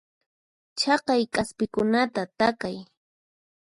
Chaqay k'aspikunata takay.